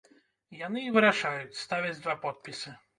Яны і вырашаюць, ставяць два подпісы.